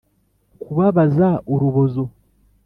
kubabaza urubozo